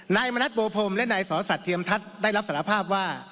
นายมณัฐโบพรมและนายสอสัตวเทียมทัศน์ได้รับสารภาพว่า